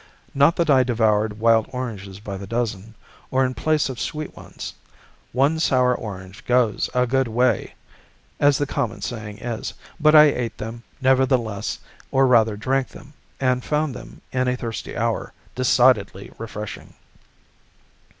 Not that I devoured wild oranges by the dozen, or in place of sweet ones; one sour orange goes a good way, as the common saying is; but I ate them, nevertheless, or rather drank them, and found them, in a thirsty hour, decidedly refreshing.